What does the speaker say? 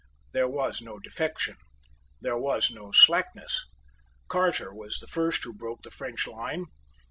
There was no defection. There was no slackness. Carter was the first who broke the French line.